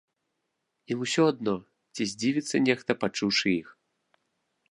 Ім усё адно, ці здзівіцца нехта, пачуўшы іх.